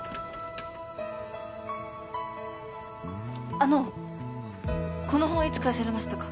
あのこの本いつ返されましたか？